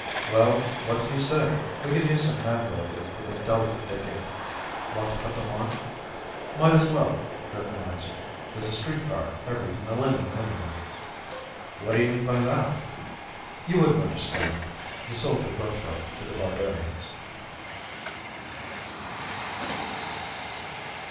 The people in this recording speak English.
"Well, what do you say? We can use some hand labor for the delicate digging. Want to put them on?" "Might as well." Griffin answered. "There's a streetcar every millennium anyway." "What do you mean by that?" "You wouldn't understand. You sold your birthright to the barbarians."